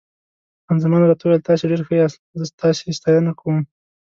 خان زمان راته وویل: تاسي ډېر ښه یاست، زه ستاسي ستاینه کوم.